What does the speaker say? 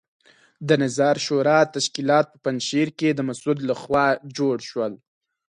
د نظار شورا تشکیلات په پنجشیر کې د مسعود لخوا جوړ شول.